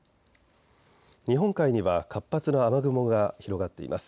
日本海には活発な雨雲が広がっています。